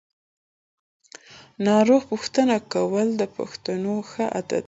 ناروغ پوښتنه کول د پښتنو ښه عادت دی.